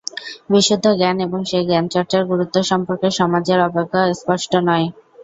বিশুদ্ধ জ্ঞান এবং সেই জ্ঞানচর্চার গুরুত্ব সম্পর্কে সমাজের অবজ্ঞা অস্পষ্ট নয়।